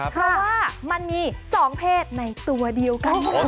เพราะว่ามันมี๒เพศในตัวเดียวกัน